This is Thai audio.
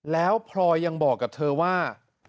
แล้วพลอยยังบอกกับเธอว่า